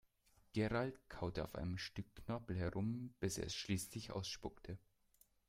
Gerald kaute auf einem Stück Knorpel herum, bis er es schließlich ausspuckte.